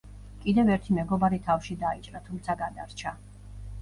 კიდევ ერთი მეგობარი თავში დაიჭრა, თუმცა გადარჩა.